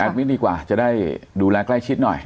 มิ้นดีกว่าจะได้ดูแลใกล้ชิดหน่อย